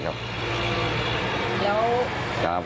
ใช่ครับ